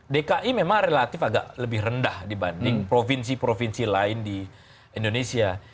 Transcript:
dki memang relatif agak lebih rendah dibanding provinsi provinsi lain di indonesia